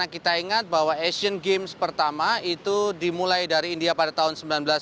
kita ingat bahwa asian games pertama itu dimulai dari india pada tahun seribu sembilan ratus sembilan puluh